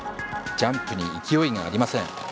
ジャンプに勢いがありません。